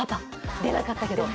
出なかったけど。